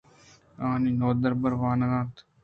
آئی ءَ نودربر وانینتگ